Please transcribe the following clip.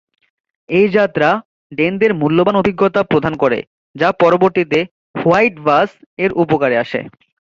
এই যাত্রা ডেনদের মূল্যবান অভিজ্ঞতা প্রদান করে যা পরবর্তীতে "হোয়াইট বাস" এর উপকারে আসে।